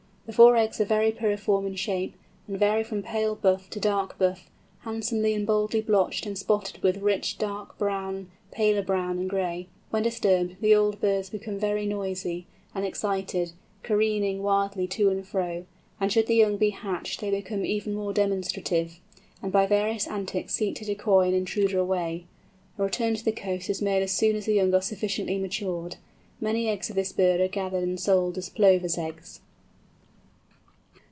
The four eggs are very pyriform in shape, and vary from pale buff to dark buff, handsomely and boldly blotched and spotted with rich dark brown, paler brown and gray. When disturbed the old birds become very noisy and excited, careering wildly to and fro, and should the young be hatched they become even more demonstrative, and by various antics seek to decoy an intruder away. A return to the coast is made as soon as the young are sufficiently matured. Many eggs of this bird are gathered and sold as "Plover's eggs."